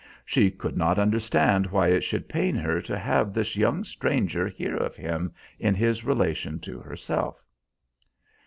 She could not understand why it should pain her to have this young stranger hear of him in his relation to herself.